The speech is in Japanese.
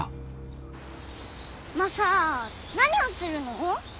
マサ何を釣るの？